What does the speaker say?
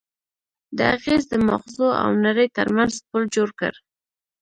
دې اغېز د ماغزو او نړۍ ترمنځ پُل جوړ کړ.